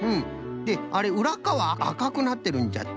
であれうらっかわあかくなってるんじゃって。